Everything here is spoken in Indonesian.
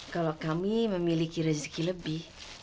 kalau kami memiliki rezeki lebih